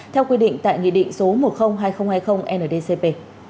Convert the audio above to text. theo quy định tại nghị định số một trăm linh hai nghìn hai mươi ndcp